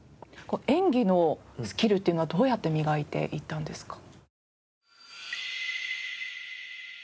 演技のスキルっていうのはどうやって磨いていったんですか？